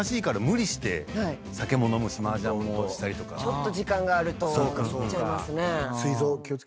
ちょっと時間があるといっちゃいますね。